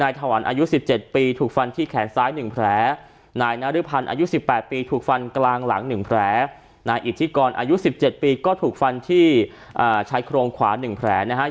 อายุสิบเจ็ดปีก็ถูกฟันที่อ่าใช้โครงขวานหนึ่งแผลนะฮะ